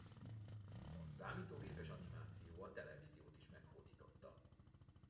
A számítógépes animáció a televíziót is meghódította.